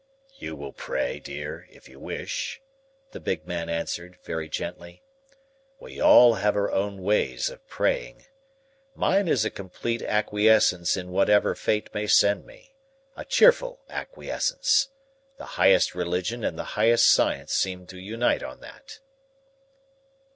"You will pray, dear, if you wish," the big man answered, very gently. "We all have our own ways of praying. Mine is a complete acquiescence in whatever fate may send me a cheerful acquiescence. The highest religion and the highest science seem to unite on that."